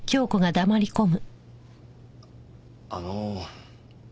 あの。